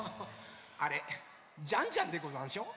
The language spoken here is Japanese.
あれジャンジャンでござんしょ？